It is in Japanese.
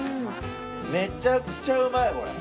めちゃくちゃうまいこれ。